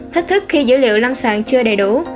thách thức khi dữ liệu lâm sàng chưa đầy đủ